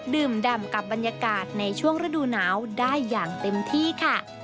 ดื่มดำกับบรรยากาศในช่วงฤดูหนาวได้อย่างเต็มที่ค่ะ